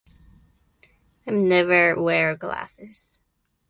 I never wear glasses.